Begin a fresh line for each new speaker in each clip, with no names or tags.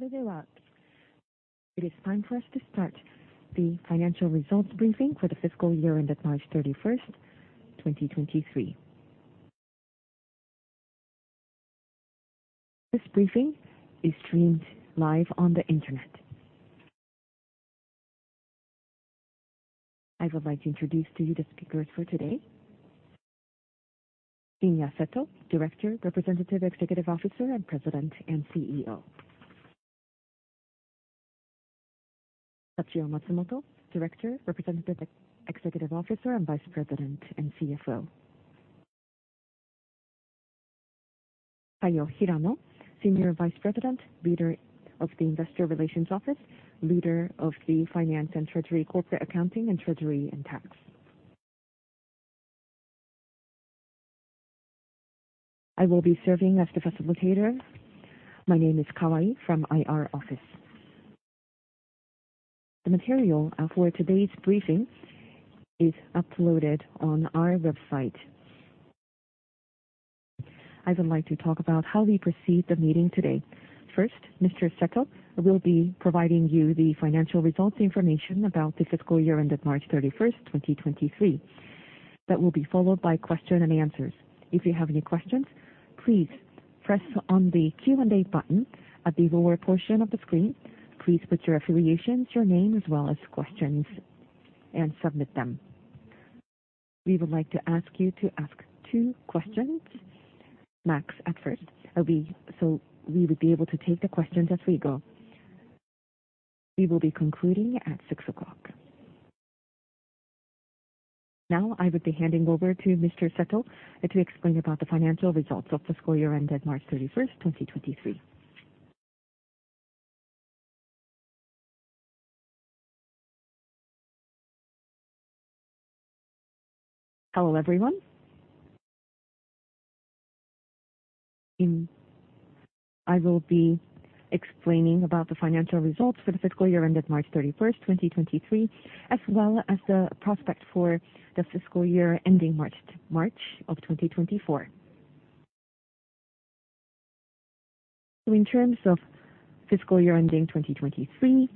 It is time for us to start the financial results briefing for the fiscal year ended March 31st, 2023. This briefing is streamed live on the Internet. I would like to introduce to you the speakers for today. Kinya Seto, Director, Representative Executive Officer, and President and CEO. Sachio Matsumoto, Director, Representative Executive Officer, and Vice President and CFO. Kayo Hirano, Senior Vice President, Leader of the Investor Relations Office, Leader of the Finance and Treasury Corporate Accounting and Treasury and Tax. I will be serving as the facilitator. My name is Kawai from IR Office. The material for today's briefing is uploaded on our website. I would like to talk about how we proceed the meeting today. First, Mr. Seto will be providing you the financial results information about the fiscal year ended March 31st, 2023. That will be followed by question and answers. If you have any questions, please press on the Q&A button at the lower portion of the screen. Please put your affiliations, your name as well as questions and submit them. We would like to ask you to ask two questions max at first. We would be able to take the questions as we go. We will be concluding at six o'clock. I will be handing over to Mr. Seto to explain about the financial results of fiscal year ended March 31st, 2023.
Hello, everyone. I will be explaining about the financial results for the fiscal year ended March 31st, 2023, as well as the prospect for the fiscal year ending March 2024. In terms of fiscal year ending 2023,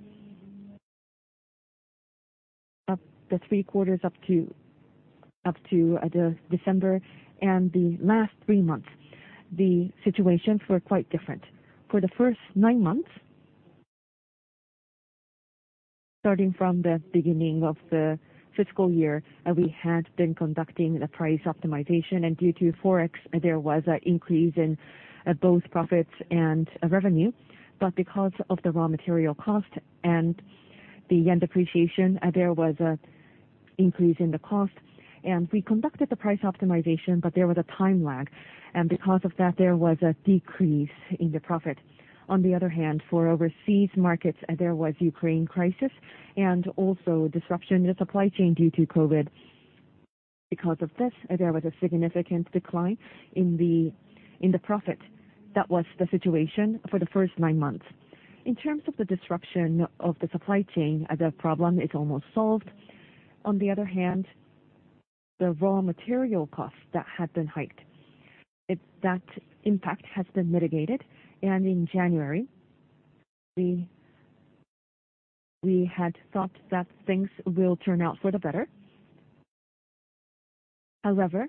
up the three quarters up to the December and the last three months, the situations were quite different. For the first nine months, starting from the beginning of the fiscal year, we had been conducting the price optimization, and due to Forex, there was an increase in both profits and revenue. Because of the raw material cost and the yen depreciation, there was an increase in the cost. We conducted the price optimization, but there was a time lag, and because of that, there was a decrease in the profit. On the other hand, for overseas markets, there was Ukraine crisis and also disruption in the supply chain due to COVID. Because of this, there was a significant decline in the profit. That was the situation for the first nine months. In terms of the disruption of the supply chain, the problem is almost solved. On the other hand, the raw material costs that had been hiked, that impact has been mitigated. In January, we had thought that things will turn out for the better. However,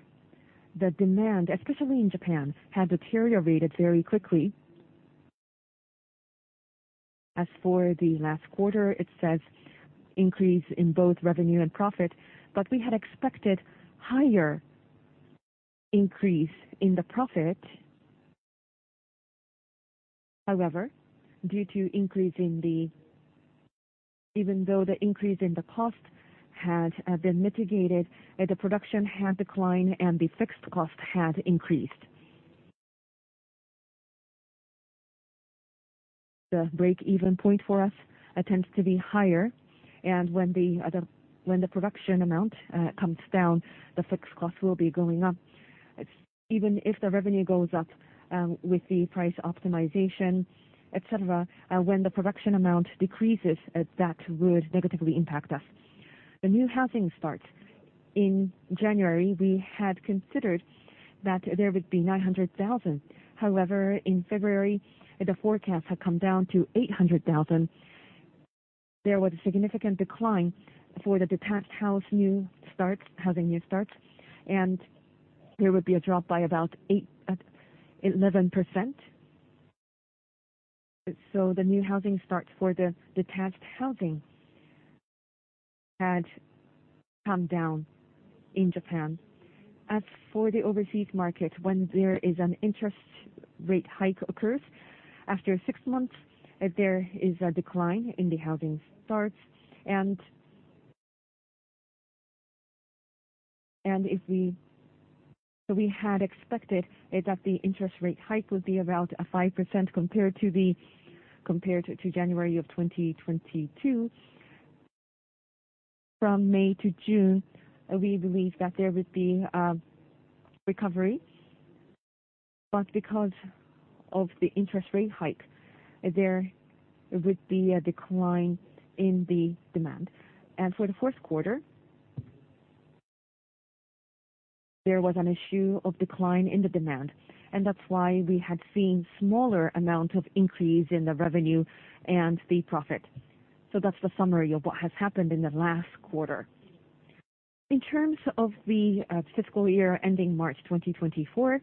the demand, especially in Japan, had deteriorated very quickly. As for the last quarter, it says increase in both revenue and profit, but we had expected higher increase in the profit. However, Even though the increase in the cost has been mitigated, the production had declined and the fixed cost had increased. The break-even point for us tends to be higher, and when the production amount comes down, the fixed cost will be going up. Even if the revenue goes up, with the price optimization, etc., when the production amount decreases, that would negatively impact us. The new housing starts. In January, we had considered that there would be 900,000. However, in February, the forecast had come down to 800,000. There was a significant decline for the detached house new starts, housing new starts, and there would be a drop by about 8%-11%. The new housing starts for the detached housing had come down in Japan. As for the overseas market, when there is an interest rate hike occurs, after six months, there is a decline in the housing starts. We had expected that the interest rate hike would be about 5% compared to the, compared to January of 2022. From May to June, we believe that there would be recovery, but because of the interest rate hike, there would be a decline in the demand. For the fourth quarter, there was an issue of decline in the demand, and that's why we had seen smaller amount of increase in the revenue and the profit. That's the summary of what has happened in the last quarter. In terms of the fiscal year ending March 2024,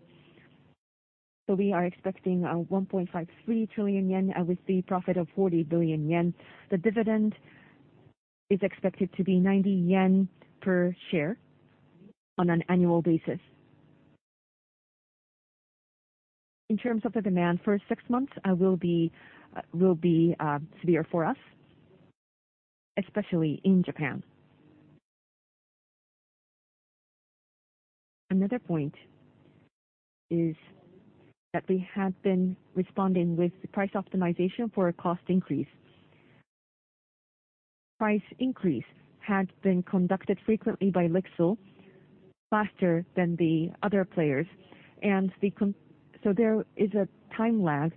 we are expecting 1.53 trillion yen with the profit of 40 billion yen. The dividend is expected to be 90 yen per share on an annual basis. In terms of the demand for six months, will be severe for us, especially in Japan. Another point is that we have been responding with price optimization for a cost increase. Price increase had been conducted frequently by LIXIL faster than the other players. So there is a time lag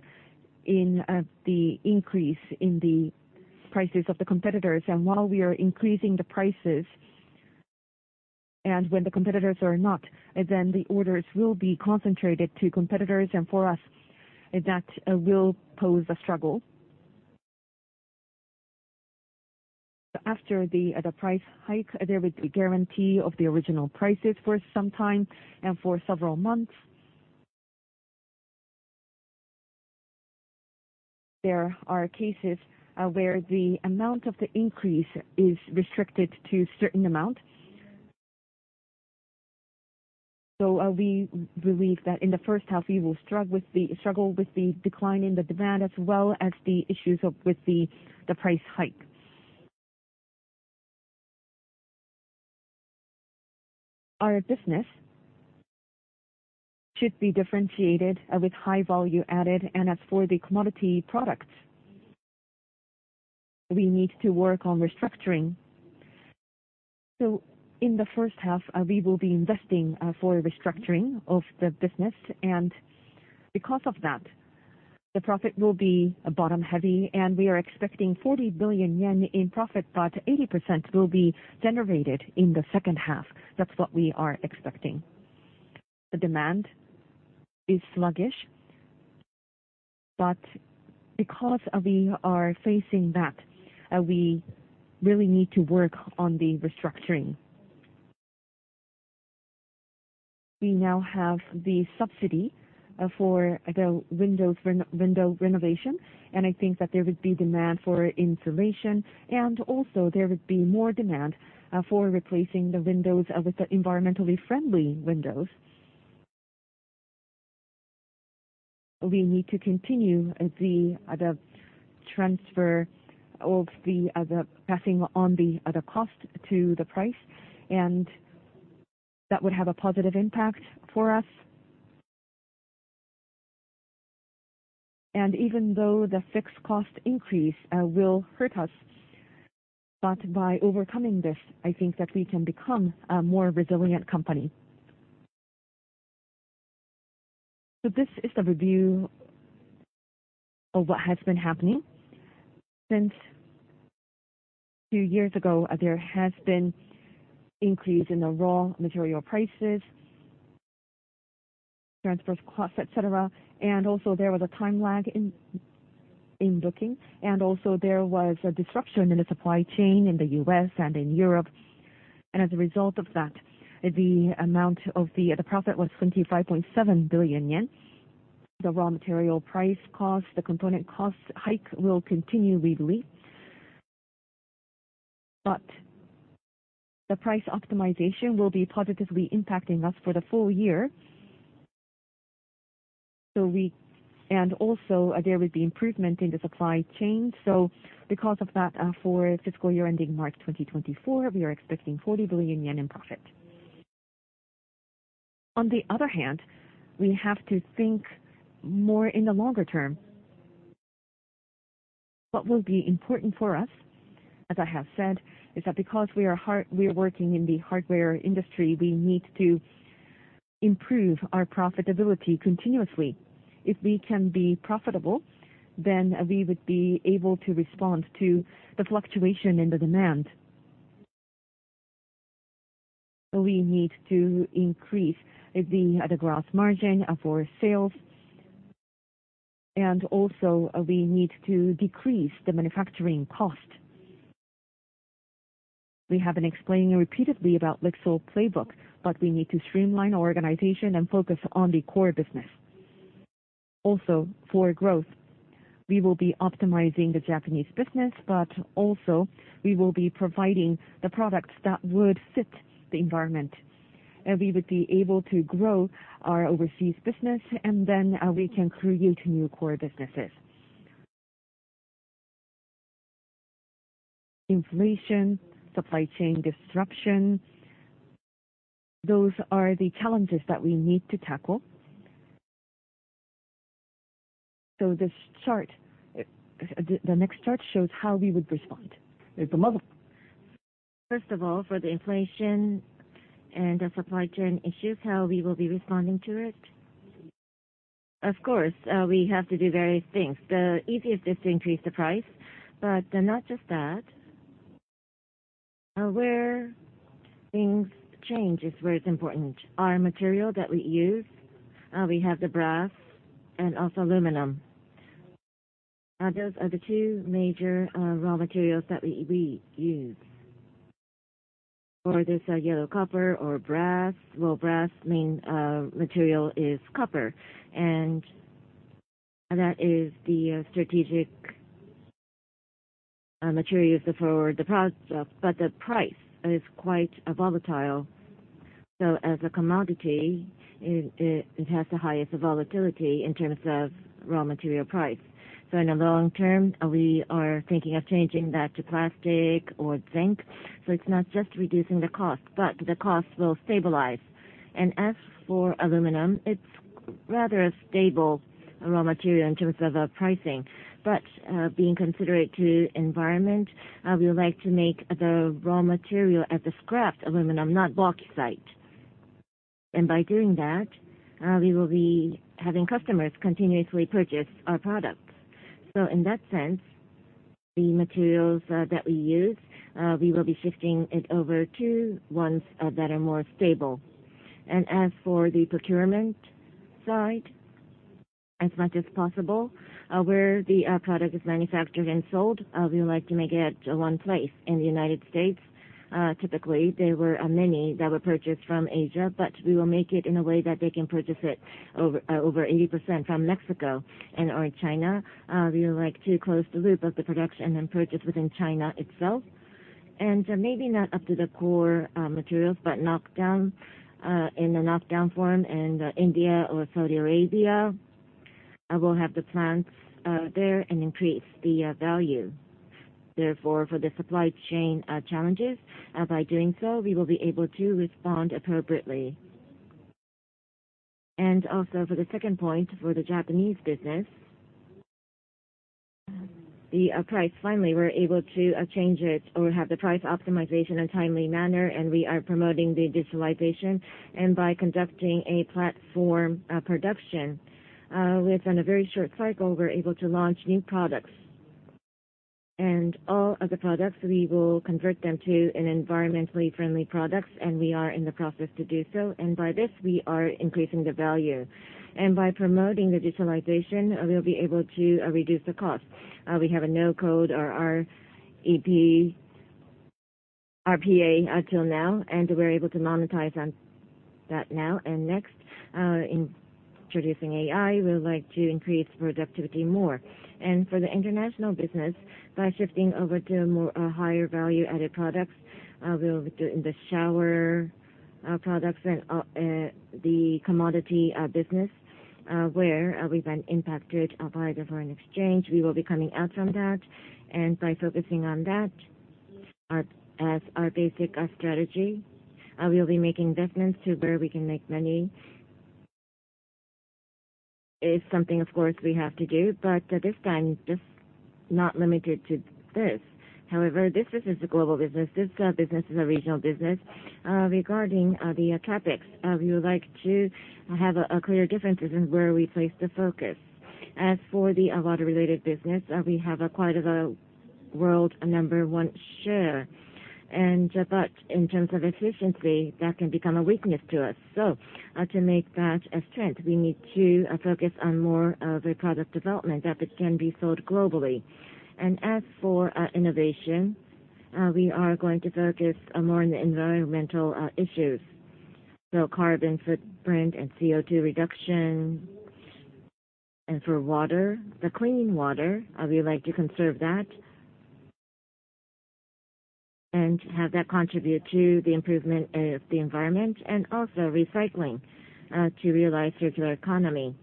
in the increase in the prices of the competitors. While we are increasing the prices and when the competitors are not, then the orders will be concentrated to competitors, and for us, that will pose a struggle. After the price hike, there would be guarantee of the original prices for some time and for several months. There are cases where the amount of the increase is restricted to certain amount. We believe that in the first half, we will struggle with the decline in the demand as well as the issues with the price hike. Our business should be differentiated with high value added. As for the commodity products, we need to work on restructuring. In the first half, we will be investing for restructuring of the business. Because of that, the profit will be bottom-heavy, and we are expecting 40 billion yen in profit, but 80% will be generated in the second half. That's what we are expecting. The demand is sluggish, but because we are facing that, we really need to work on the restructuring. We now have the subsidy for the window renovation, and I think that there would be demand for insulation, and also there would be more demand for replacing the windows of the environmentally friendly windows. We need to continue the transfer of the passing on the cost to the price, and that would have a positive impact for us. Even though the fixed cost increase will hurt us, by overcoming this, I think that we can become a more resilient company. This is the review of what has been happening. Since two years ago, there has been increase in the raw material prices, transport costs, et cetera. Also there was a time lag in booking, and also there was a disruption in the supply chain in the U.S. and in Europe. As a result of that, the amount of the profit was 25.7 billion yen. The raw material price cost, the component cost hike will continue, we believe. The price optimization will be positively impacting us for the full year. Also, there will be improvement in the supply chain. Because of that, for fiscal year ending March 2024, we are expecting 40 billion yen in profit. On the other hand, we have to think more in the longer term. What will be important for us, as I have said, is that because we are working in the hardware industry, we need to improve our profitability continuously. If we can be profitable, then we would be able to respond to the fluctuation in the demand. We need to increase the gross margin for sales. We need to decrease the manufacturing cost. We have been explaining repeatedly about LIXIL Playbook, but we need to streamline our organization and focus on the core business. For growth, we will be optimizing the Japanese business, but also we will be providing the products that would fit the environment. We would be able to grow our overseas business, and then, we can create new core businesses. Inflation, supply chain disruption, those are the challenges that we need to tackle. This chart, the next chart shows how we would respond. First of all, for the inflation and the supply chain issues, how we will be responding to it? We have to do various things. The easiest is to increase the price, not just that. Where things change is where it's important. Our material that we use, we have the brass and also aluminum. Those are the two major raw materials that we use. For this yellow copper or brass. Brass main material is copper, that is the strategic material for the product. The price is quite volatile. As a commodity, it has the highest volatility in terms of raw material price. In the long term, we are thinking of changing that to plastic or zinc. It's not just reducing the cost, the cost will stabilize. As for aluminum, it's rather a stable raw material in terms of pricing. Being considerate to environment, we would like to make the raw material as the scrap aluminum, not bauxite. By doing that, we will be having customers continuously purchase our products. In that sense, the materials that we use, we will be shifting it over to ones that are more stable. As for the procurement side, as much as possible, where the product is manufactured and sold, we would like to make it one place. In the United States, typically, there were many that were purchased from Asia, but we will make it in a way that they can purchase it over 80% from Mexico and or China. We would like to close the loop of the production and purchase within China itself. Maybe not up to the core materials, but knock down in a knock down form in India or Saudi Arabia. We'll have the plants there and increase the value. Therefore, for the supply chain challenges, by doing so, we will be able to respond appropriately. Also for the second point, for the Japanese business, the price, finally, we're able to change it or have the price optimization in a timely manner, and we are promoting the digitalization. By conducting a platform production within a very short cycle, we're able to launch new products. All other products, we will convert them to an environmentally friendly products, and we are in the process to do so. By this, we are increasing the value. By promoting the digitalization, we'll be able to reduce the cost. We have a no-code or our RPA until now, and we're able to monetize on that now. Next, introducing AI, we would like to increase productivity more. For the international business, by shifting over to more higher value added products, we'll do the shower products and the commodity business, where we've been impacted by the foreign exchange. We will be coming out from that. By focusing on that as our basic strategy, we'll be making investments to where we can make money. Is something, of course, we have to do. This time, just not limited to this. However, this business is a global business. This business is a regional business. Regarding the topics, we would like to have clear differences in where we place the focus. As for the water-related business, we have quite of a world number 1 share. In terms of efficiency, that can become a weakness to us. To make that a strength, we need to focus on more of a product development that can be sold globally. As for innovation, we are going to focus more on the environmental issues. Carbon footprint and CO2 reduction. For water, the clean water, we would like to conserve that and have that contribute to the improvement of the environment and also recycling to realize circular economy.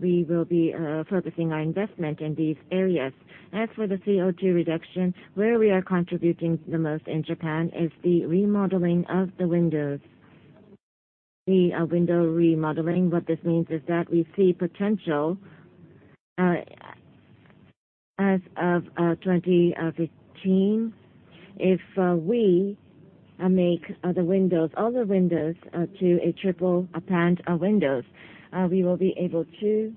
We will be focusing our investment in these areas. As for the CO2 reduction, where we are contributing the most in Japan is the remodeling of the windows. The window remodeling, what this means is that we see potential as of 2015. If we make the windows, all the windows, to a triple-pane windows, we will be able to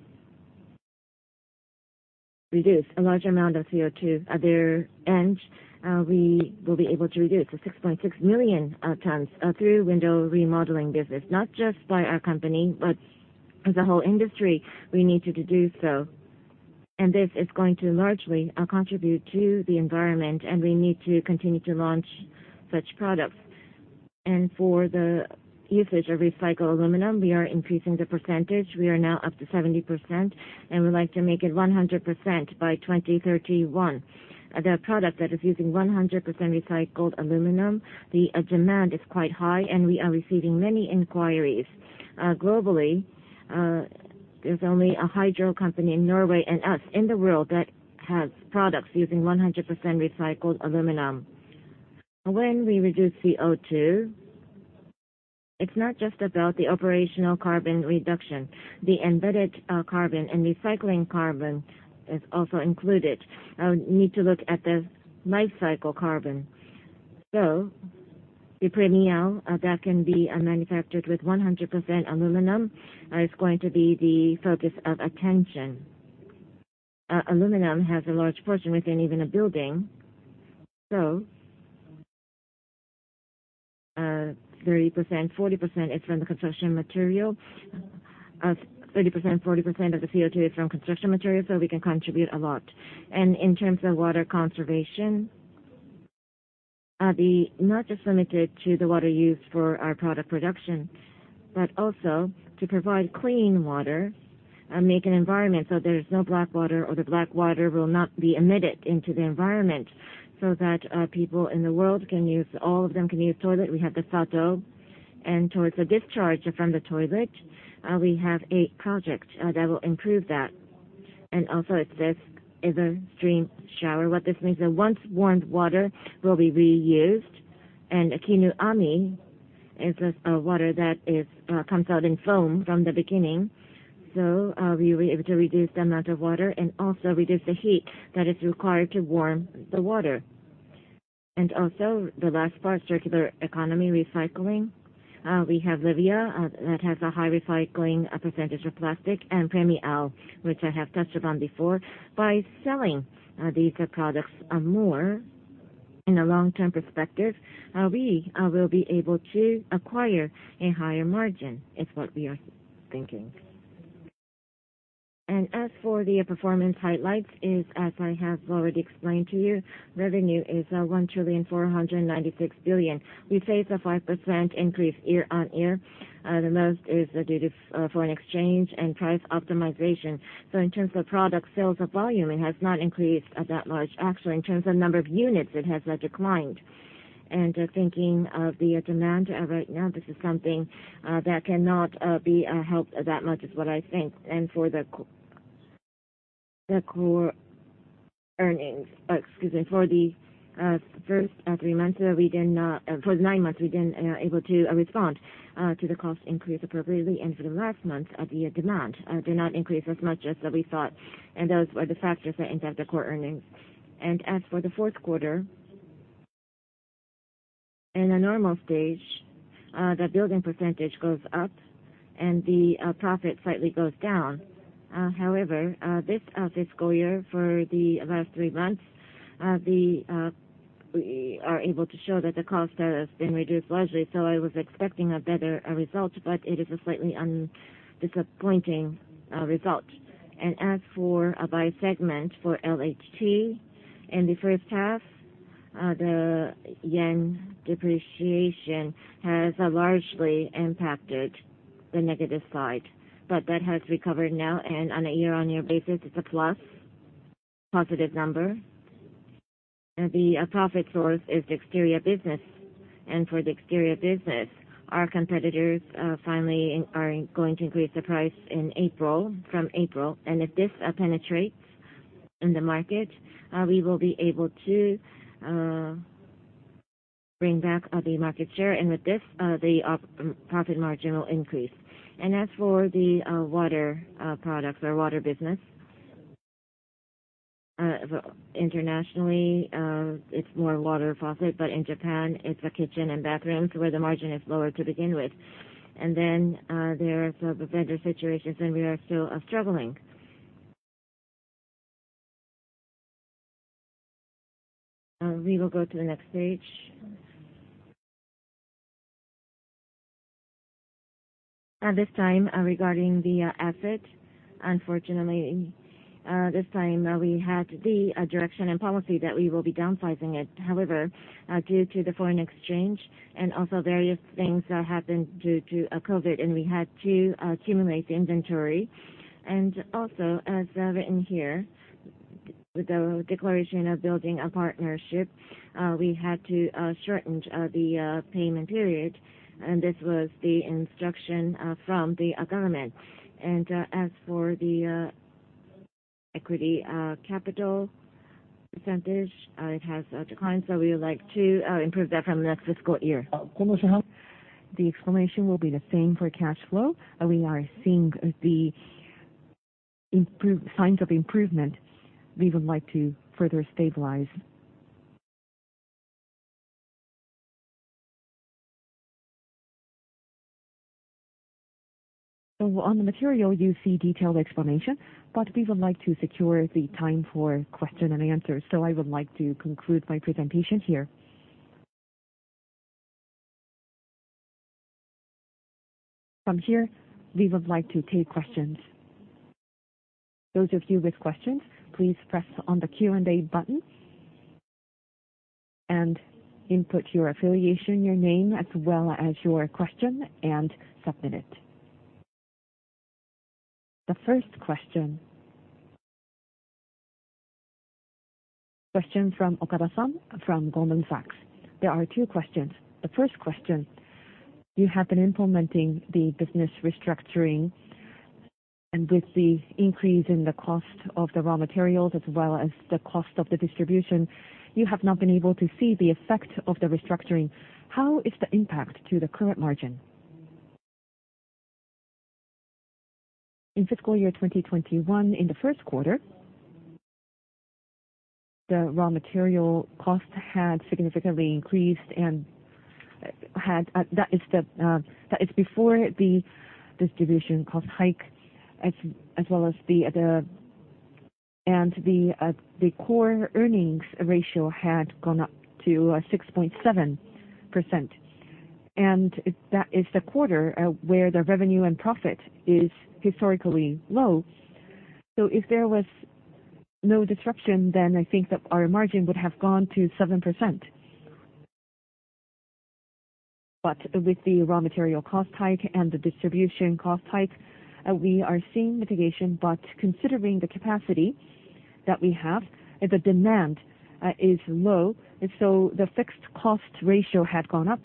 reduce a large amount of CO2 at their end. We will be able to reduce to 6.6 million tons through window remodeling business. Not just by our company, but as a whole industry, we need to do so. This is going to largely contribute to the environment, and we need to continue to launch such products. For the usage of recycled aluminum, we are increasing the percentage. We are now up to 70%, and we'd like to make it 100% by 2031. The product that is using 100% recycled aluminum, the demand is quite high, and we are receiving many inquiries. Globally, there's only a Hydro company in Norway and us in the world that has products using 100% recycled aluminum. When we reduce CO2, it's not just about the operational carbon reduction. The embodied carbon and recycling carbon is also included. We need to look at the life cycle carbon. The PremiAL that can be manufactured with 100% aluminum is going to be the focus of attention. Aluminum has a large portion within even a building. 30%-40% is from the construction material. 30%-40% of the CO2 is from construction materials, so we can contribute a lot. In terms of water conservation, the... Not just limited to the water used for our product production, but also to provide clean water and make an environment so there's no black water or the black water will not be emitted into the environment so that people in the world can use, all of them can use toilet. We have the SATO. Towards the discharge from the toilet, we have a project that will improve that. It says, is a stream shower. What this means is once warmed water will be reused. A KINUAMI is this water that is comes out in foam from the beginning. We were able to reduce the amount of water and also reduce the heat that is required to warm the water. The last part, circular economy recycling. We have Revia that has a high recycling % of plastic and PremiAL, which I have touched upon before. By selling these products more in the long-term perspective, we will be able to acquire a higher margin, is what we are thinking. As for the performance highlights is as I have already explained to you, revenue is 1,496 billion. We face a 5% increase year-over-year. The most is due to foreign exchange and price optimization. In terms of product sales volume, it has not increased that much. Actually, in terms of number of units, it has declined. Thinking of the demand right now, this is something that cannot be helped that much, is what I think. For the core earnings. Excuse me, for the first three months, we didn't for the nine months, we didn't able to respond to the cost increase appropriately. For the last month, the demand did not increase as much as we thought. Those were the factors that impact the core earnings. As for the fourth quarter, in a normal stage, the building percentage goes up and the profit slightly goes down. However, this fiscal year for the last three months, we are able to show that the cost has been reduced largely. I was expecting a better result, but it is a slightly disappointing result. By segment for LHT in the first half, the yen depreciation has largely impacted the negative side, but that has recovered now and on a year-on-year basis, it's a plus, positive number. The profit source is the exterior business. For the exterior business, our competitors finally are going to increase the price in April, from April. If this penetrates in the market, we will be able to bring back the market share and with this, the profit margin will increase. The water products or water business internationally, it's more water faucet, but in Japan it's the kitchen and bathrooms where the margin is lower to begin with. There are some vendor situations and we are still struggling. We will go to the next page. At this time, regarding the asset, unfortunately, this time, we had the direction and policy that we will be downsizing it. However, due to the foreign exchange and also various things that happened due to COVID, we had to accumulate the inventory. Also, as written here, the Declaration of Partnership Building, we had to shorten the payment period, and this was the instruction from the government. As for the equity capital percentage, it has declined, so we would like to improve that from next fiscal year. The explanation will be the same for cash flow. We are seeing signs of improvement. We would like to further stabilize. On the material you see detailed explanation, but we would like to secure the time for question and answer. I would like to conclude my presentation here.
From here, we would like to take questions. Those of you with questions, please press on the Q&A button and input your affiliation, your name, as well as your question, and submit it. The first question. Question from Okada-san from Goldman Sachs. There are two questions. The first question, you have been implementing the business restructuring and with the increase in the cost of the raw materials as well as the cost of the distribution, you have not been able to see the effect of the restructuring. How is the impact to the current margin?
In fiscal year 2021, in the first quarter, the raw material cost had significantly increased and had before the distribution cost hike, as well as the other. The core earnings ratio had gone up to 6.7%. That is the quarter where the revenue and profit is historically low. If there was no disruption, then I think that our margin would have gone to 7%. With the raw material cost hike and the distribution cost hike, we are seeing mitigation. Considering the capacity that we have, the demand is low, so the fixed cost ratio had gone up.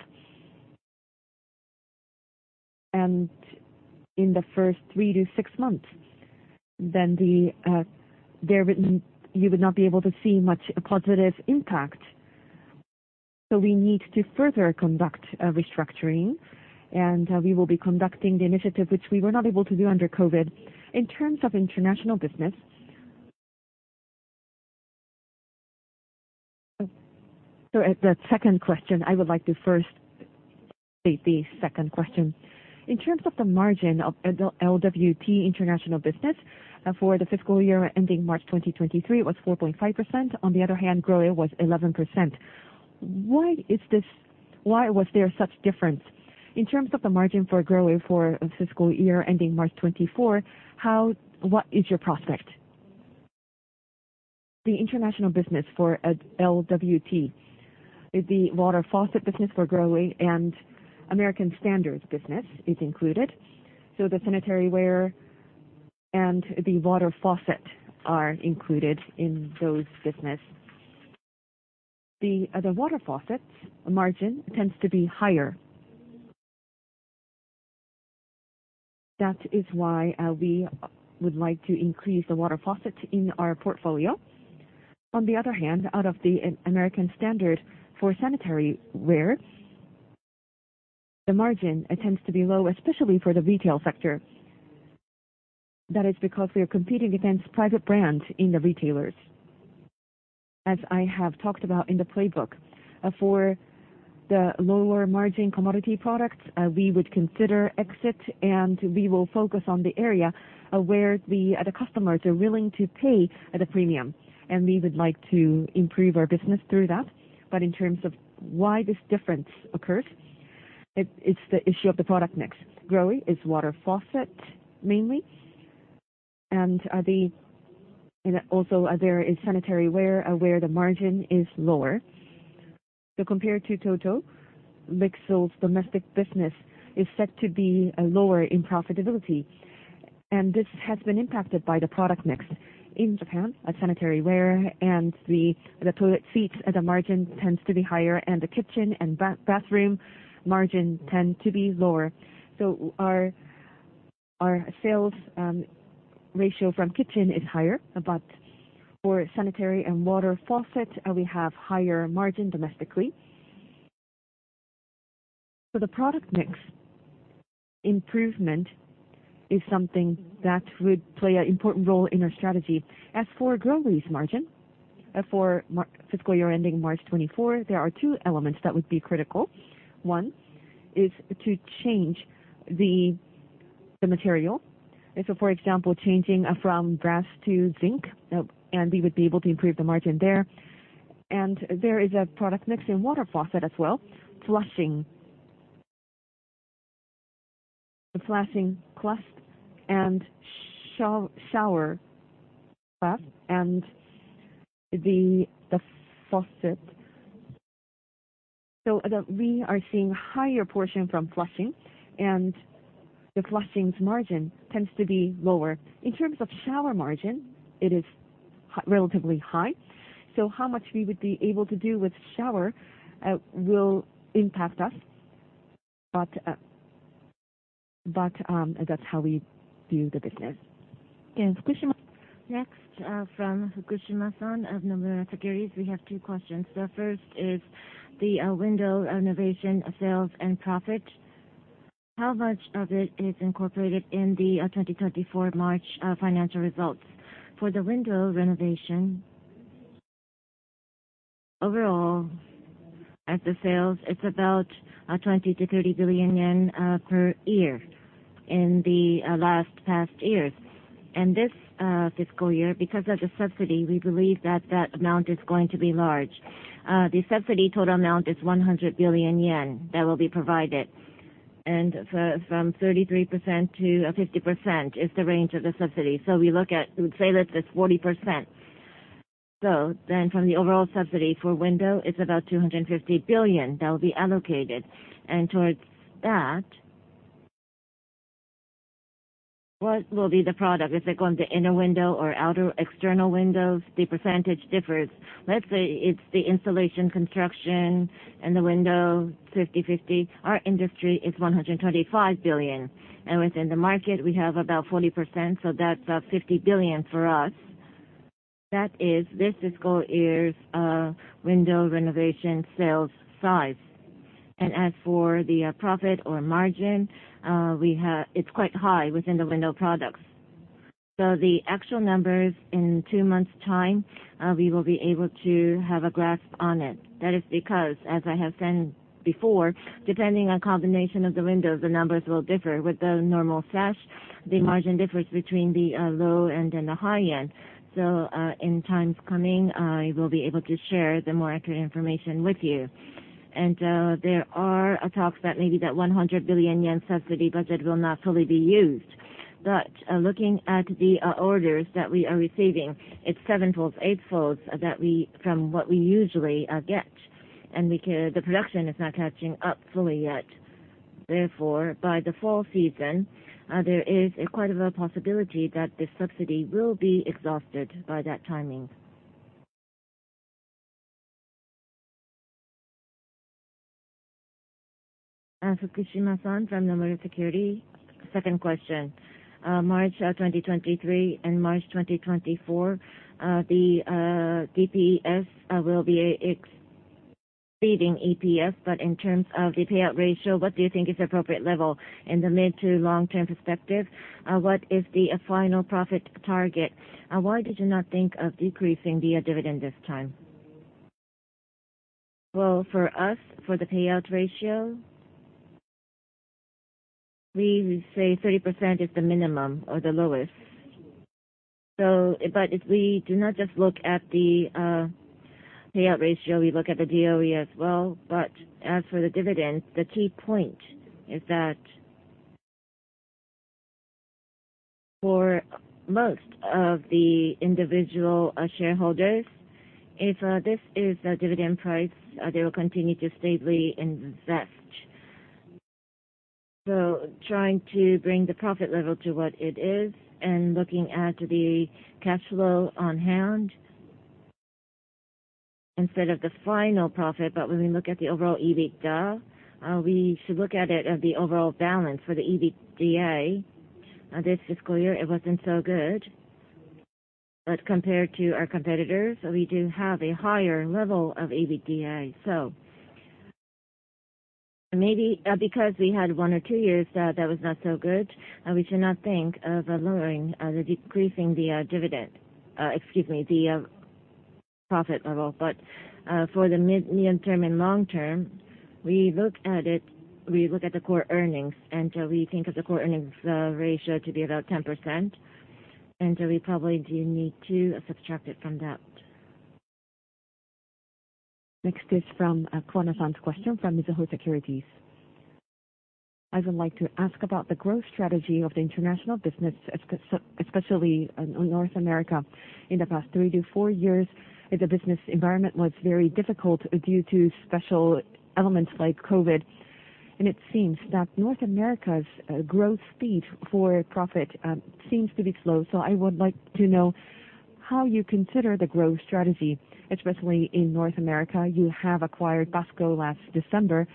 In the first three to six months, then there would not be able to see much positive impact. We need to further conduct restructuring, and we will be conducting the initiative which we were not able to do under COVID. In terms of international business.
At the second question, I would like to first state the second question. In terms of the margin of the LWT international business for the fiscal year ending March 2023, it was 4.5%. On the other hand, GROHE was 11%. Why is this? Why was there such difference? In terms of the margin for GROHE for fiscal year ending March 2024, what is your prospect?
The international business for LWT, the water faucet business for GROHE and American Standard business is included. The sanitary ware and the water faucet are included in those business. The water faucets margin tends to be higher. That is why we would like to increase the water faucets in our portfolio. On the other hand, out of the American Standard for sanitary ware, the margin tends to be low, especially for the retail sector. That is because we are competing against private brands in the retailers. As I have talked about in the Playbook, for the lower margin commodity products, we would consider exit, and we will focus on the area where the customers are willing to pay the premium. We would like to improve our business through that. In terms of why this difference occurs, it's the issue of the product mix. GROHE is water faucet mainly. Also there is sanitary ware where the margin is lower. Compared to TOTO, LIXIL's domestic business is said to be lower in profitability, and this has been impacted by the product mix. In Japan, a sanitary ware and the toilet seats, the margin tends to be higher, and the kitchen and bathroom margin tend to be lower. Our sales ratio from kitchen is higher, but for sanitary and water faucet, we have higher margin domestically. The product mix improvement is something that would play an important role in our strategy. As for GROHE's margin, for fiscal year ending March 2024, there are two elements that would be critical. One is to change the material. For example, changing from brass to zinc, and we would be able to improve the margin there. There is a product mix in water faucet as well, flushing. The flushing tap and shower tap and the faucet. We are seeing higher portion from flushing, and the flushing's margin tends to be lower. In terms of shower margin, it is relatively high. How much we would be able to do with shower will impact us. That's how we view the business.
Next, from Fukushima San of Nomura Securities. We have two questions. The first is the window renovation sales and profit. How much of it is incorporated in the 2024 March financial results?
For the window renovation, overall, as the sales, it's about 20 billion to 30 billion yen per year in the last past years. This fiscal year, because of the subsidy, we believe that that amount is going to be large. The subsidy total amount is 100 billion yen that will be provided. From 33%-50% is the range of the subsidy. We look at, we would say that it's 40%. From the overall subsidy for window, it's about 250 billion that will be allocated. Towards that, what will be the product? Is it going to inner window or outer, external windows? The percentage differs. Let's say it's the installation, construction and the window, 50/50. Our industry is 125 billion. Within the market, we have about 40%. That's 50 billion for us. That is this fiscal year's window renovation sales size. As for the profit or margin, it's quite high within the window products. The actual numbers in 2 months' time, we will be able to have a grasp on it. That is because, as I have said before, depending on combination of the windows, the numbers will differ. With the normal sash, the margin differs between the low and the high end. In times coming, I will be able to share the more accurate information with you. There are talks that maybe that 100 billion yen subsidy budget will not fully be used. Looking at the orders that we are receiving, it's sevenfolds, eightfolds from what we usually get. The production is not catching up fully yet. Therefore, by the fall season, there is quite of a possibility that this subsidy will be exhausted by that timing.
Fukushima-san from Nomura Securities. Second question. March 2023 and March 2024, the DPS will be exceeding EPS, but in terms of the payout ratio, what do you think is appropriate level in the mid to long-term perspective? What is the final profit target? Why did you not think of decreasing the dividend this time?
Well, for us, for the payout ratio, we say 30% is the minimum or the lowest. But if we do not just look at the payout ratio, we look at the DOE as well. As for the dividend, the key point is that for most of the individual, shareholders, if, this is the dividend price, they will continue to stably invest. Trying to bring the profit level to what it is and looking at the cash flow on hand instead of the final profit. When we look at the overall EBITDA, we should look at it at the overall balance for the EBITDA. This fiscal year, it wasn't so good. Compared to our competitors, we do have a higher level of EBITDA. Maybe, because we had one or two years that was not so good, we should not think of lowering, the decreasing the dividend. Excuse me, the profit level. For the medium-term and long-term, we look at it, we look at the core earnings, we think of the core earnings ratio to be about 10%. We probably do need to subtract it from that.
Next is from Kono-san's question from Mizuho Securities. I would like to ask about the growth strategy of the international business, especially in North America. In the past three to four years, the business environment was very difficult due to special elements like COVID. It seems that North America's growth speed for profit seems to be slow. I would like to know how you consider the growth strategy, especially in North America. You have acquired Basco last December,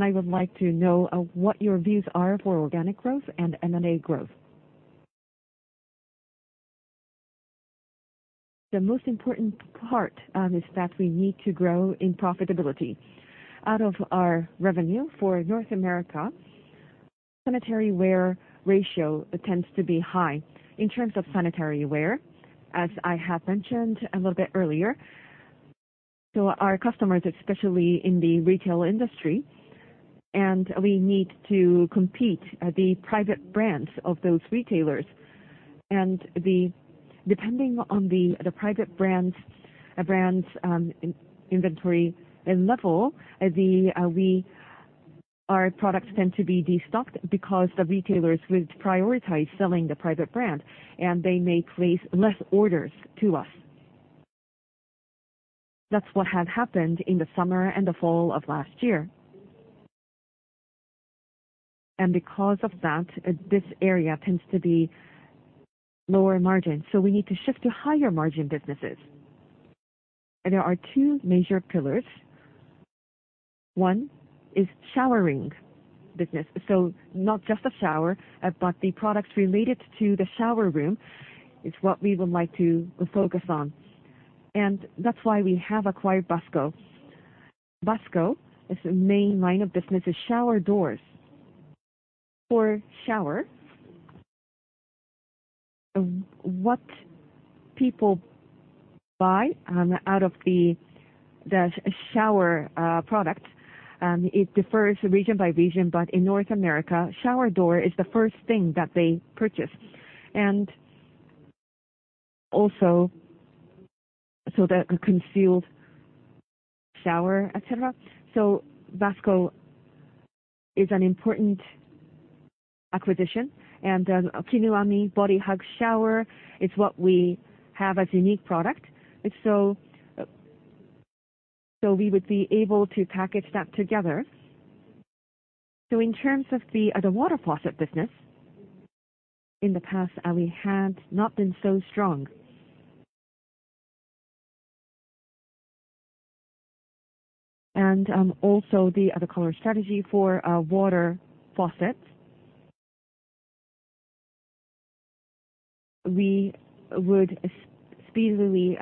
I would like to know what your views are for organic growth and M&A growth.
The most important part is that we need to grow in profitability. Out of our revenue for North America, sanitary ware ratio tends to be high. In terms of sanitary ware, as I have mentioned a little bit earlier, our customers, especially in the retail industry, we need to compete the private brands of those retailers. Depending on the private brands in-inventory level, our products tend to be de-stocked because the retailers would prioritize selling the private brand, and they may place less orders to us. That's what has happened in the summer and the fall of last year. Because of that, this area tends to be lower margin, we need to shift to higher margin businesses. There are two major pillars. One is showering business. Not just a shower, but the products related to the shower room is what we would like to focus on. That's why we have acquired Basco. Basco, its main line of business is shower doors. For shower, what people buy out of the shower product, it differs region by region, but in North America, shower door is the first thing that they purchase. Also, the concealed shower, et cetera. Basco is an important acquisition. KINUAMI Body Hug Shower is what we have as unique product. We would be able to package that together. In terms of the water faucet business, in the past, we had not been so strong. Also the other color strategy for water faucets. We would speedily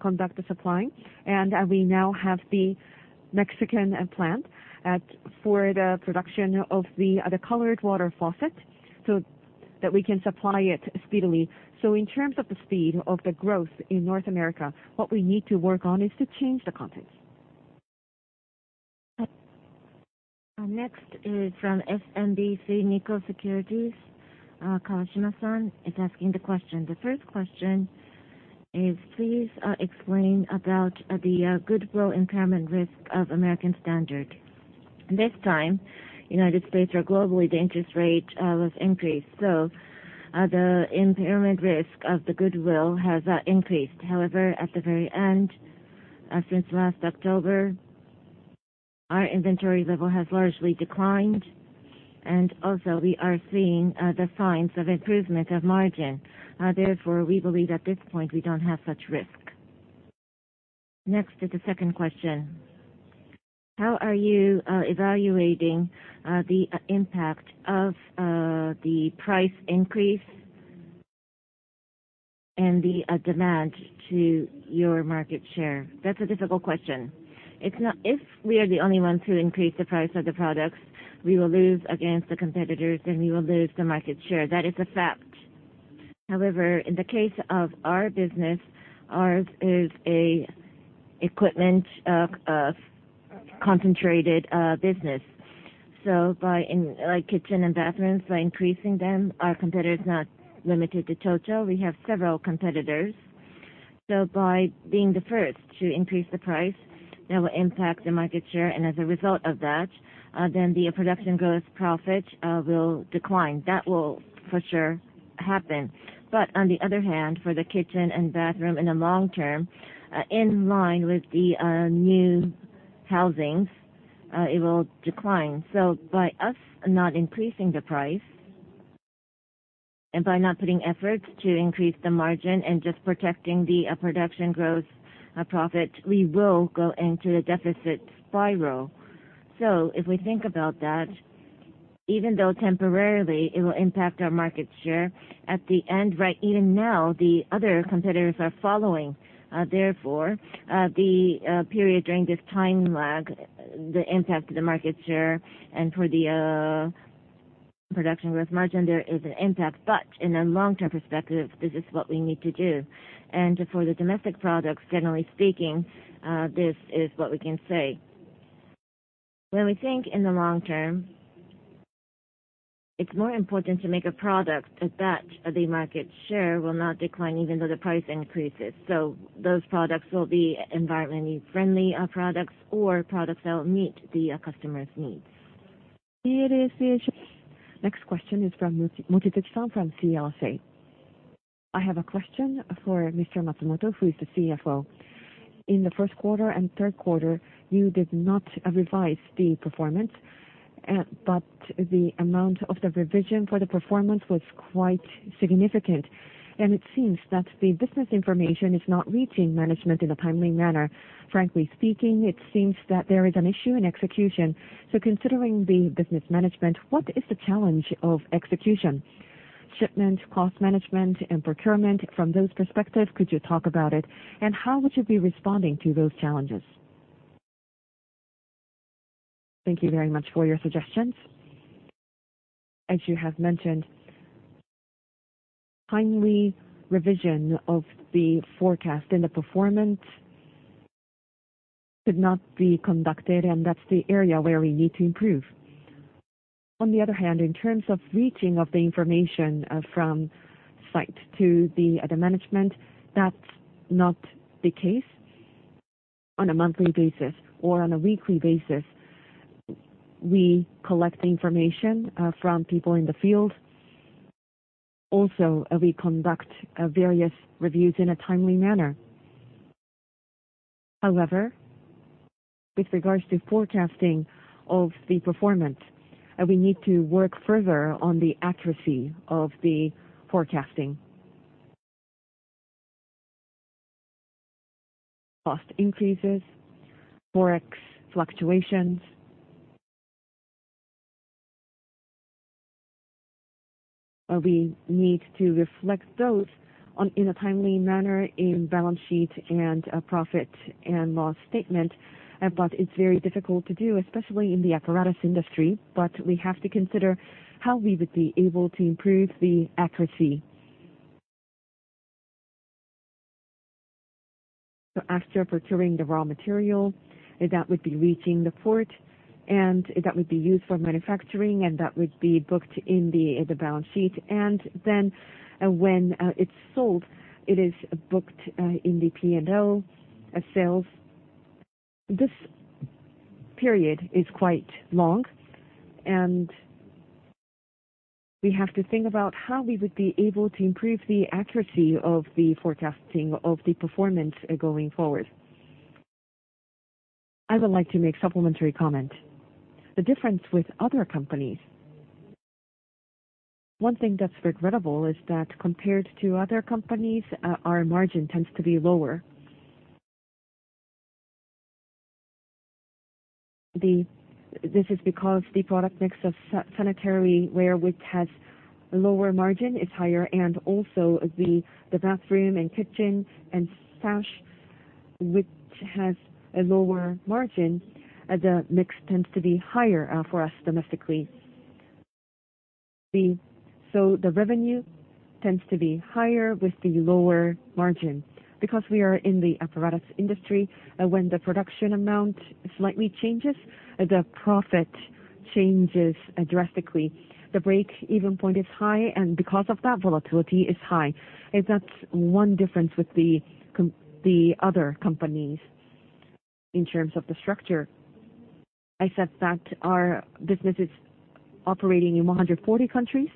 conduct the supplying. We now have the Mexican plant for the production of the colored water faucet, so that we can supply it speedily. In terms of the speed of the growth in North America, what we need to work on is to change the context.
Next is from SMBC Nikko Securities. Kawashima-san is asking the question. The first question is, please explain about the goodwill impairment risk of American Standard.
This time, United States or globally, the interest rate was increased, so the impairment risk of the goodwill has increased. However, at the very end, since last October, our inventory level has largely declined, and also we are seeing the signs of improvement of margin. Therefore, we believe at this point we don't have such risk.
Next is the second question: How are you evaluating the impact of the price increase and the demand to your market share?
That's a difficult question. If we are the only one to increase the price of the products, we will lose against the competitors, and we will lose the market share. That is a fact. In the case of our business, ours is a equipment concentrated business. like kitchen and bathrooms, by increasing them, our competitor is not limited to TOTO. We have several competitors. By being the first to increase the price, that will impact the market share, and as a result of that, then the production growth profit will decline. That will for sure happen. On the other hand, for the kitchen and bathroom in the long term, in line with the new housings, it will decline. By us not increasing the price and by not putting efforts to increase the margin and just protecting the production growth profit, we will go into a deficit spiral. If we think about that, even though temporarily it will impact our market share, at the end, right, even now, the other competitors are following. Therefore, the period during this time lag, the impact to the market share and for the production growth margin, there is an impact. In a long-term perspective, this is what we need to do. For the domestic products, generally speaking, this is what we can say. When we think in the long term, it's more important to make a product that the market share will not decline even though the price increases. Those products will be environmentally friendly products or products that will meet the customer's needs.
Next question is from Mototsuka-san from CLSA. I have a question for Mr. Matsumoto, who is the CFO. In the first quarter and third quarter, you did not revise the performance, but the amount of the revision for the performance was quite significant, and it seems that the business information is not reaching management in a timely manner. Frankly speaking, it seems that there is an issue in execution. Considering the business management, what is the challenge of execution? Shipment, cost management, and procurement, from those perspective, could you talk about it? How would you be responding to those challenges?
Thank you very much for your suggestions. As you have mentioned, timely revision of the forecast and the performance could not be conducted, and that's the area where we need to improve. On the other hand, in terms of reaching of the information, from site to the management, that's not the case. On a monthly basis or on a weekly basis, we collect information from people in the field. Also, we conduct various reviews in a timely manner. However, with regards to forecasting of the performance, we need to work further on the accuracy of the forecasting. Cost increases, Forex fluctuations. We need to reflect those on, in a timely manner in balance sheet and profit and loss statement. It's very difficult to do, especially in the apparatus industry. We have to consider how we would be able to improve the accuracy. After procuring the raw material, that would be reaching the port, and that would be used for manufacturing, and that would be booked in the balance sheet. Then, when it's sold, it is booked in the P&L as sales. This period is quite long, and we have to think about how we would be able to improve the accuracy of the forecasting of the performance going forward.
I would like to make supplementary comment. The difference with other companies. One thing that's regrettable is that compared to other companies, our margin tends to be lower. This is because the product mix of sanitary ware, which has lower margin, is higher, and also the bathroom and kitchen and sash, which has a lower margin, the mix tends to be higher for us domestically. The revenue tends to be higher with the lower margin. Because we are in the apparatus industry, when the production amount slightly changes, the profit changes drastically. The break-even point is high, and because of that, volatility is high. That's one difference with the other companies in terms of the structure. I said that our business is operating in 140 countries,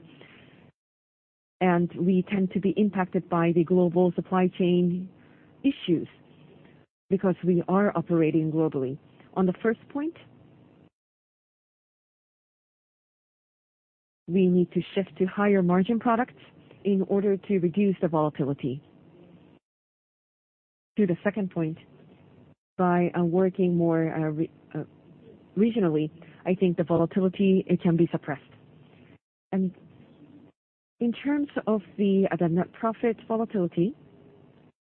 and we tend to be impacted by the global supply chain issues because we are operating globally. On the first point, we need to shift to higher margin products in order to reduce the volatility. To the second point, by working more regionally, I think the volatility, it can be suppressed. In terms of the net profit volatility,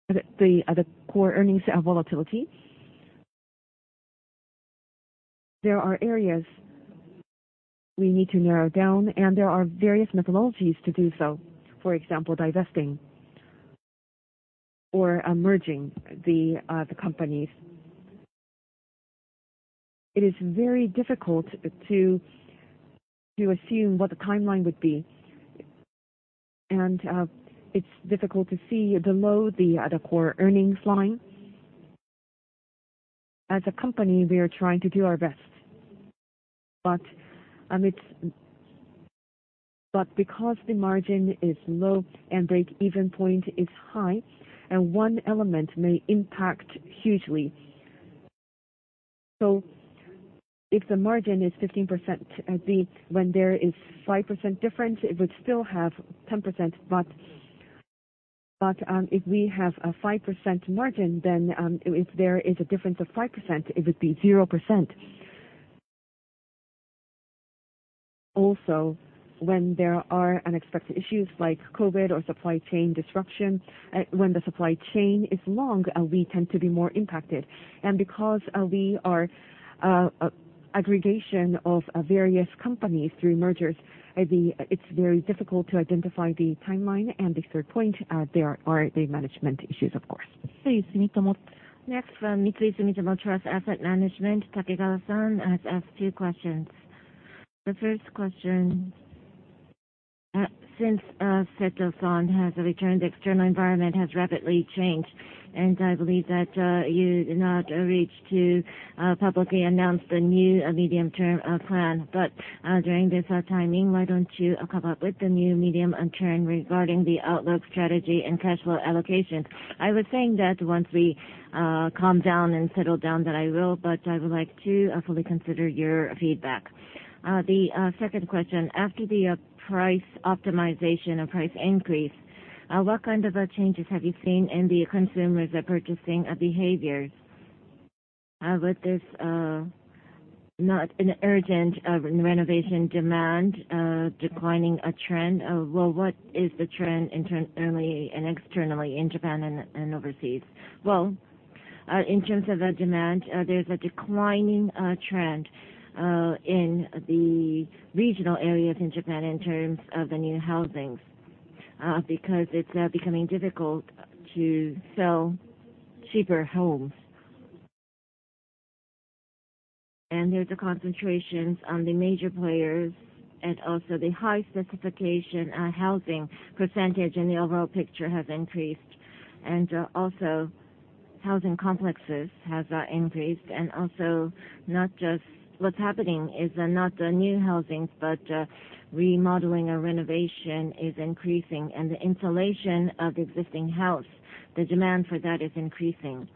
the core earnings volatility, there are areas we need to narrow down, and there are various methodologies to do so. For example, divesting or merging the companies. It is very difficult to assume what the timeline would be. It's difficult to see below the core earnings line. As a company, we are trying to do our best. But because the margin is low and break-even point is high, and one element may impact hugely. So if the margin is 15%, when there is 5% difference, it would still have 10%. If we have a 5% margin, if there is a difference of 5%, it would be 0%. When there are unexpected issues like COVID or supply chain disruption, when the supply chain is long, we tend to be more impacted. Because we are aggregation of various companies through mergers, it's very difficult to identify the timeline. The third point, there are the management issues, of course.
Next, from Sumitomo Mitsui Trust Asset Management, Takegawa-san has asked two questions. The first question, since Seto-san has returned, the external environment has rapidly changed. I believe that you did not reach to publicly announce the new medium-term plan. During this timing, why don't you come up with the new medium-term regarding the outlook strategy and cash flow allocations?
I was saying that once we calm down and settle down, that I will, but I would like to fully consider your feedback.
The second question. After the price optimization or price increase, what kind of changes have you seen in the consumers purchasing behaviors? With this, not an urgent renovation demand, declining trend. What is the trend internally and externally in Japan and overseas?
In terms of the demand, there's a declining trend in the regional areas in Japan in terms of the new housings, because it's becoming difficult to sell cheaper homes. There's a concentrations on the major players and also the high specification housing percentage in the overall picture has increased. Also housing complexes has increased. Also not just... What's happening is, not the new housings, but remodeling or renovation is increasing and the insulation of existing house, the demand for that is increasing.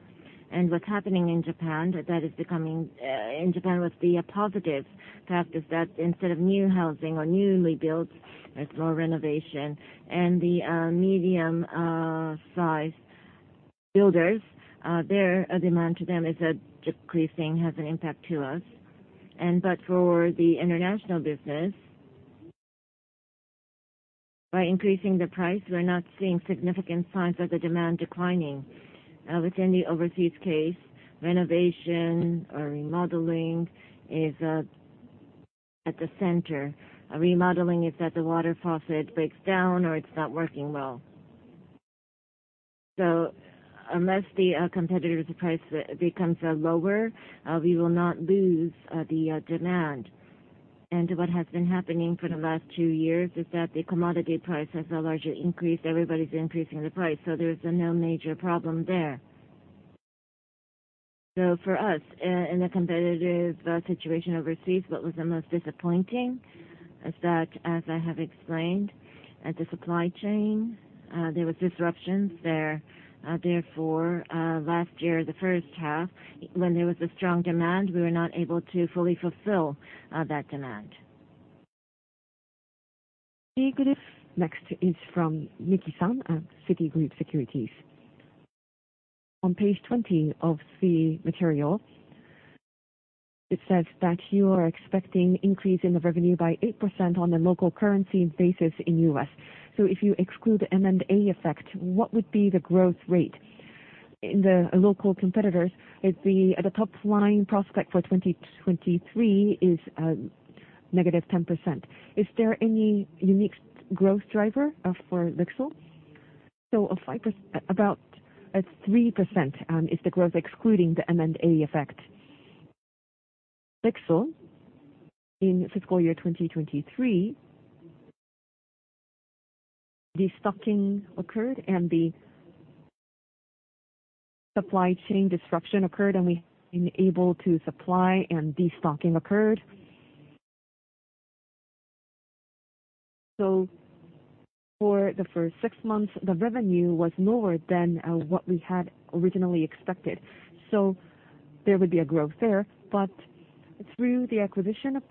What's happening in Japan, that is becoming, in Japan, what's the positive fact is that instead of new housing or newly built, it's more renovation. The medium size builders, their demand to them is decreasing, has an impact to us. But for the international business, by increasing the price, we're not seeing significant signs of the demand declining. Within the overseas case, renovation or remodeling is at the center. A remodeling is that the water faucet breaks down or it's not working well. Unless the competitor's price becomes lower, we will not lose the demand. What has been happening for the last two years is that the commodity price has a larger increase. Everybody's increasing the price, there's no major problem there. For us, in the competitive situation overseas, what was the most disappointing is that, as I have explained. At the supply chain, there was disruptions there. Therefore, last year, the first half, when there was a strong demand, we were not able to fully fulfill that demand.
Next is from Miki San at Citigroup Securities. On page 20 of the material, it says that you are expecting increase in the revenue by 8% on a local currency basis in U.S. If you exclude the M&A effect, what would be the growth rate? In the local competitors, it be at the top line prospect for 2023 is -10%. Is there any unique growth driver for LIXIL?
A 5%, about 3% is the growth excluding the M&A effect. LIXIL in fiscal year 2023, destocking occurred and the supply chain disruption occurred, and we unable to supply and destocking occurred. For the first six months, the revenue was lower than what we had originally expected. There would be a growth there. Through the acquisition of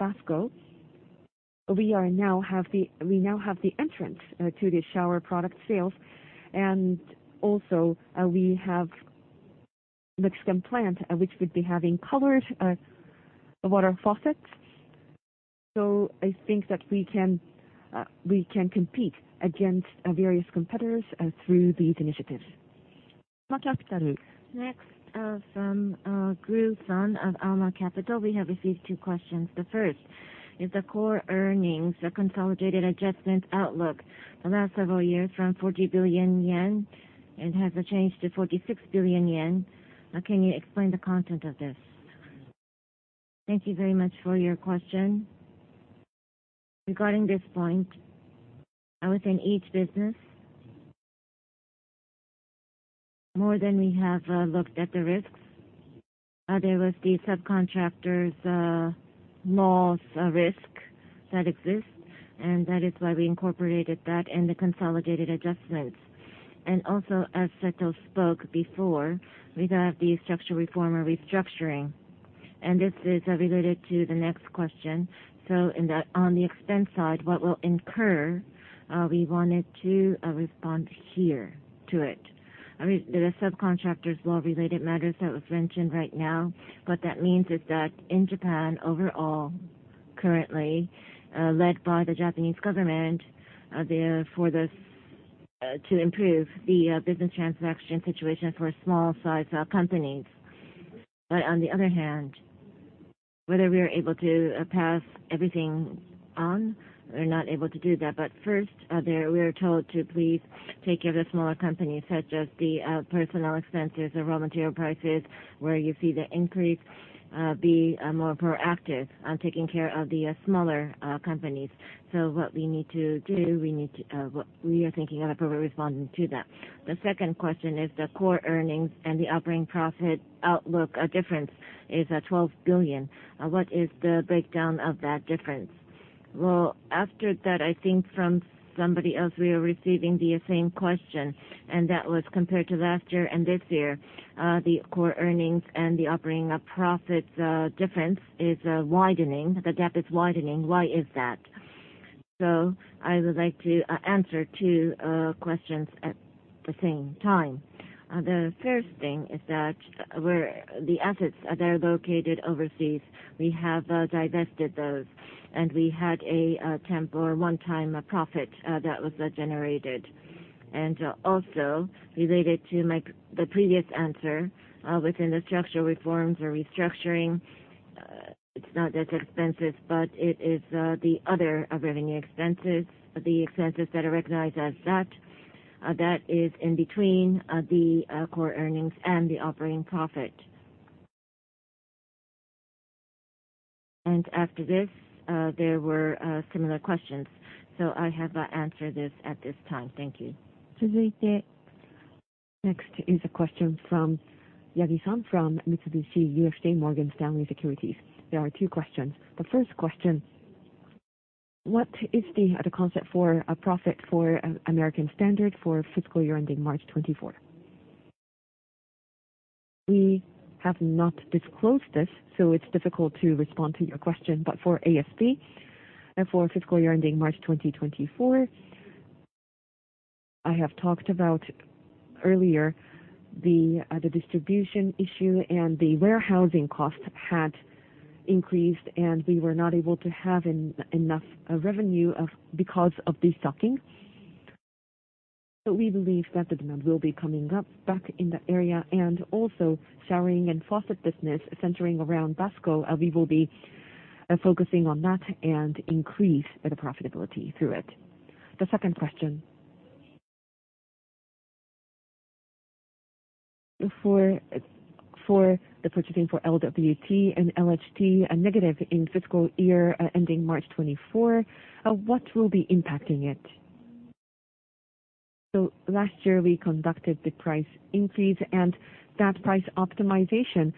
Basco, we now have the entrance to the shower product sales, and also, we have LIXIL plant which would be having colored water faucets. I think that we can compete against various competitors through these initiatives.
From Gru Sun of Alma Capital, we have received two questions. The first is the core earnings, the consolidated adjustment outlook the last several years from 40 billion yen and has a change to 46 billion yen. Can you explain the content of this?
Thank you very much for your question. Regarding this point, within each business, more than we have looked at the risks, there was the Subcontract Act risk that exists, and that is why we incorporated that in the consolidated adjustments. Also, as Seto spoke before, we have the structural reform or restructuring.
This is related to the next question. On the expense side, what will incur, we wanted to respond here to it. I mean, there are Subcontract Act related matters that was mentioned right now. What that means is that in Japan overall, currently, led by the Japanese government, they are for this, to improve the business transaction situation for small size companies. On the other hand, whether we are able to pass everything on, we're not able to do that. First, we are told to please take care of the smaller companies such as the personnel expenses or raw material prices, where you see the increase, be more proactive on taking care of the smaller companies. What we need to do, we need to, what we are thinking of appropriate responding to that.
The second question is the core earnings and the operating profit outlook, difference is 12 billion. What is the breakdown of that difference?
Well, after that, I think from somebody else we are receiving the same question, that was compared to last year and this year, the core earnings and the operating profit difference is widening. The gap is widening. Why is that? I would like to answer two questions at the same time. The first thing is that where the assets are they're located overseas. We have divested those, we had a temp or one time profit that was generated. Also related to the previous answer, within the structural reforms or restructuring, it's not just expenses, but it is the other operating expenses. The expenses that are recognized as that is in between the core earnings and the operating profit. After this, there were similar questions. I have answered this at this time. Thank you.
Next is a question from Yagi San from Mitsubishi UFJ Morgan Stanley Securities. There are two questions. The first question, what is the concept for a profit for American Standard for fiscal year ending March 2024?
We have not disclosed this, so it's difficult to respond to your question. For ASP and for fiscal year ending March 2024, I have talked about earlier the distribution issue and the warehousing costs had increased, and we were not able to have enough revenue of because of destocking. We believe that the demand will be coming up back in the area and also showering and faucet business centering around Basco, we will be focusing on that and increase the profitability through it.
The second question. For the purchasing for LWT and LHT are negative in fiscal year ending March 2024. What will be impacting it?
Last year, we conducted the price increase, and that price optimization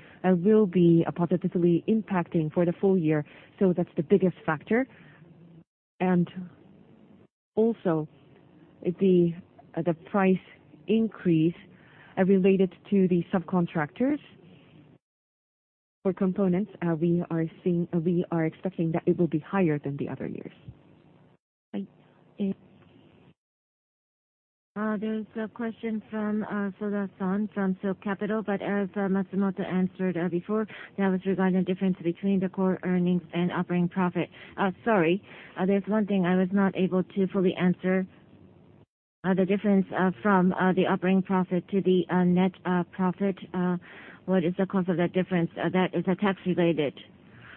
will be positively impacting for the full year. That's the biggest factor. Also the price increase related to the subcontractors for components, we are expecting that it will be higher than the other years.
There's a question from Fuda San from Silk Capital. As Matsumoto answered before, that was regarding the difference between the core earnings and operating profit.
Sorry. There's one thing I was not able to fully answer. The difference from the operating profit to the net profit. What is the cause of that difference? That is tax related.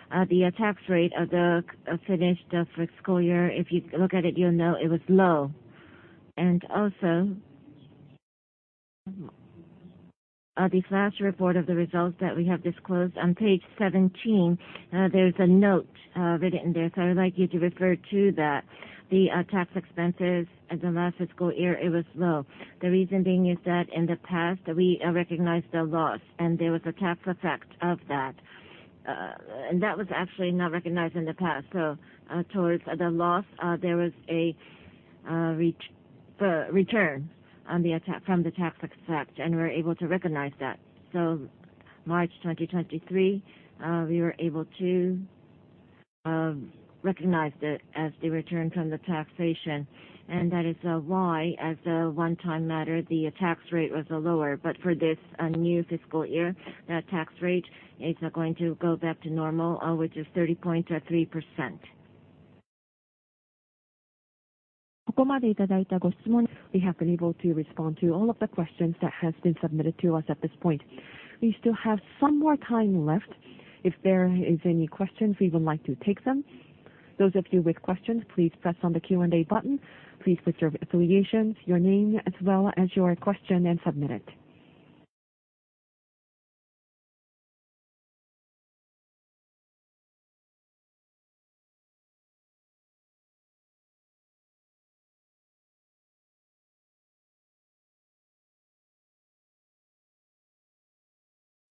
The tax rate of the finished fiscal year, if you look at it, you'll know it was low. Also, the flash report of the results that we have disclosed on page 17, there's a note written in there, so I would like you to refer to that. The tax expenses at the last fiscal year, it was low.
The reason being is that in the past we recognized a loss, and there was a tax effect of that. That was actually not recognized in the past. Towards the loss, there was a return from the tax effect, and we're able to recognize that. March 2023, we were able to recognize that as the return from the taxation. That is why, as a one-time matter, the tax rate was lower. For this new fiscal year, the tax rate is going to go back to normal, which is 30.3%. We have been able to respond to all of the questions that has been submitted to us at this point. We still have some more time left. If there is any questions, we would like to take them. Those of you with questions, please press on the Q&A button. Please state your affiliations, your name, as well as your question, and submit it.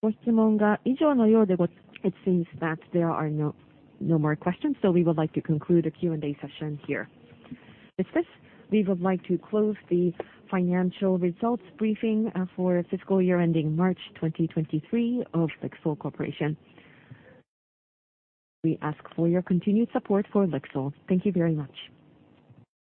It seems that there are no more questions. We would like to conclude the Q&A session here. With this, we would like to close the financial results briefing for fiscal year ending March 2023 of LIXIL Corporation. We ask for your continued support for LIXIL. Thank you very much.